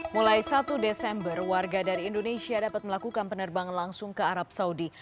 mulai satu desember warga dari indonesia dapat melakukan penerbangan langsung ke arab saudi